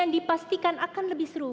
dipastikan akan lebih seru